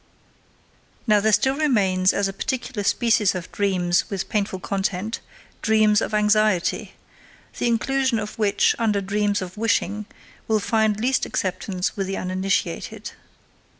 Now there still remain as a particular species of dreams with painful content, dreams of anxiety, the inclusion of which under dreams of wishing will find least acceptance with the uninitiated.